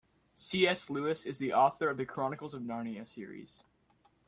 C.S. Lewis is the author of The Chronicles of Narnia series.